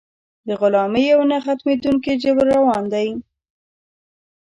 د غلامۍ یو نه ختمېدونکی جبر روان دی.